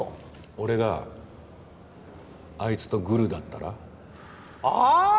俺があいつとグルだったら？あーっ！